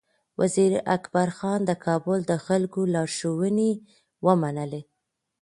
وزیر اکبر خان د کابل د خلکو لارښوونې ومنلې.